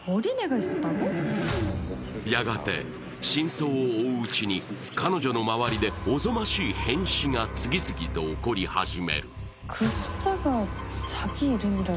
やがて真相を追ううちに、彼女の周りでおぞましい変死が次々と起こり始める。